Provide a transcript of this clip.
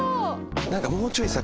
なんかもうちょいさ